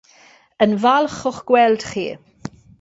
Yn falch o'ch gweld chi.